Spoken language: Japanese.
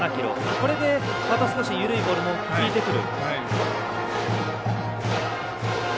これで、また少し緩いボールも効いてくる。